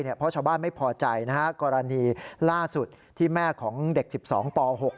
เพราะชาวบ้านไม่พอใจกรณีล่าสุดที่แม่ของเด็ก๑๒ป๖